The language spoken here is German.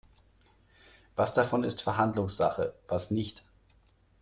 Was davon ist Verhandlungssache, was nicht?